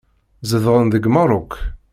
Zedɣen deg Meṛṛuk.